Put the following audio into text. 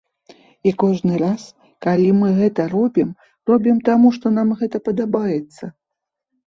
І кожны раз, калі мы гэта робім, робім таму, што нам гэта падабаецца.